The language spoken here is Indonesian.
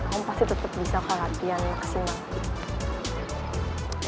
kamu pasti tetep bisa aku akan latihan maksimal